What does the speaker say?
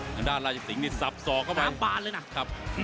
ข้างด้านราชสิงห์นี่สับสอกเข้ามาข้างบานเลยนะครับ